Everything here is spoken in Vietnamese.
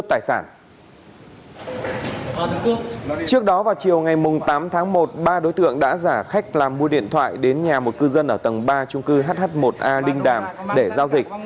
trước đó vào chiều ngày tám tháng một ba đối tượng đã giả khách làm mua điện thoại đến nhà một cư dân ở tầng ba trung cư hh một a đinh đàm để giao dịch